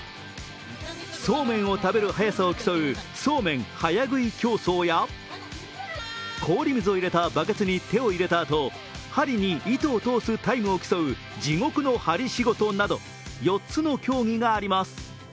そうめんを食べる速さを競うそーめん早喰い競争や氷水を入れたバケツに手を入れたあと針に糸を通すタイムを競う地獄の針仕事など４つの競技があります。